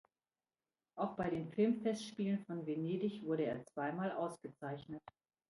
Auch bei den Filmfestspielen von Venedig wurde er zweimal ausgezeichnet.